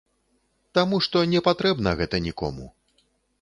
Таму што не патрэбна гэта нікому.